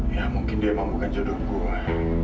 ya mungkin dia emang bukan jodoh dukungan